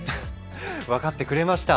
分かってくれました？